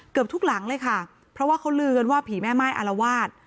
เกือบทุกหลังเลยค่ะเพราะว่าเขาลือกันว่าผีแม่ไม้อารวาส